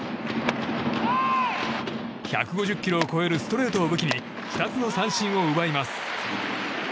１５０キロを超えるストレートを武器に２つの三振を奪います。